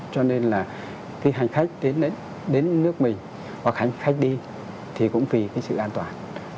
cho nên là cái hành khách đến nước mình hoặc hành khách đi thì cũng vì cái sự an toàn